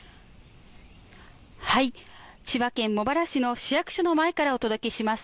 千葉県茂原市の市役所前からお届けします。